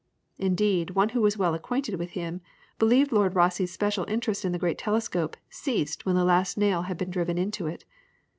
Indeed one who was well acquainted with him believed Lord Rosse's special interest in the great telescope ceased when the last nail had been driven into it.